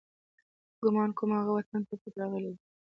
ګمان کوم، هغه وطن ته پټ راغلی دی.